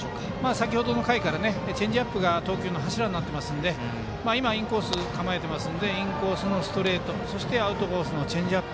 先程の回からチェンジアップが投球の柱になっていますので今、インコース構えていますのでインコースのストレートそしてアウトコースのチェンジアップ。